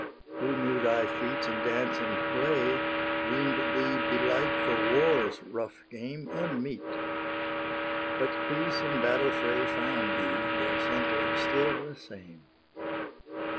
Who knew thy feats in dance and play Deem'd thee belike for war's rough game Unmeet: but peace and battle fray Found thee, their centre, still the same.